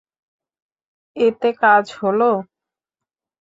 এতে কাজ হল।